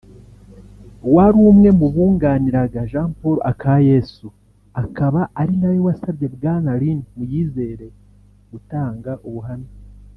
wari umwe mu bunganiraga Jean Paul Akayesu akaba ari nawe wasabye Bwana Lin Muyizere gutanga ubuhamya